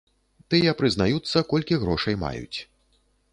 Тыя прызнаюцца, колькі грошай маюць.